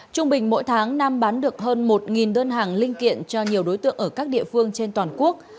trung bình mỗi tháng nam bán được hơn một đơn hàng linh kiện cho nhiều đối tượng ở các địa phương trên toàn quốc